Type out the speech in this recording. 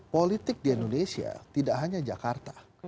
politik di indonesia tidak hanya jakarta